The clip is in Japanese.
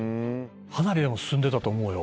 「かなりでも進んでたと思うよ」